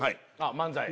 漫才